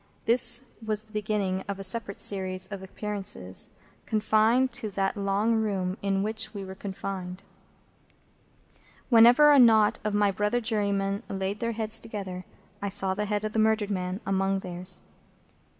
This was the beginning of a separate series of appearances, confined to that long room in which we were confined. Whenever a knot of my brother jurymen laid their heads together, I saw the head of the murdered man among theirs.